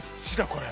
これ。